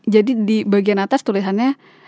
di bagian atas tulisannya